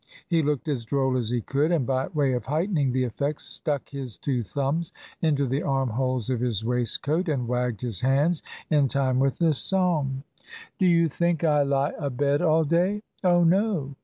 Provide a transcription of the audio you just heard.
He looked as droll as he could, and by way of heightening the effect, stuck his two thumbs into the armholes of his waistcoat and wagged his hands in time with the song. Do you think I lie abed all day? Oh no!